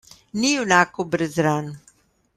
Ni junakov brez ran.